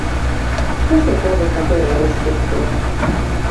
Que se pode facer ao respecto?